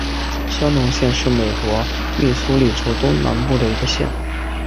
香农县是美国密苏里州东南部的一个县。